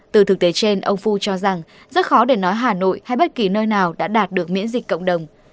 từ thực tế trên ông phu cho rằng rất khó để nói hà nội hay bất kỳ nơi nào đã đạt được miễn dịch cộng đồng